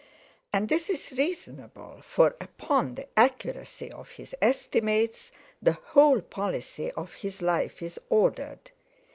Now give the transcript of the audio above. And this is reasonable, for upon the accuracy of his estimates the whole policy of his life is ordered.